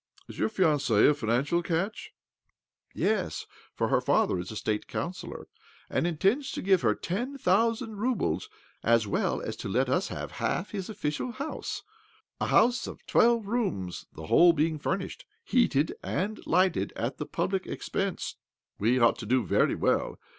... Is your fiancee a financial catch ?" OBLOMOV Л 33 " Yes, for her father is a State councillor, and intends to give her ten thousand roubles, as well as to let us have half his official house (a house of twelve rooms— the whole being furnished, heatdd', and lighted at the public expense) ; so we ought to do very well.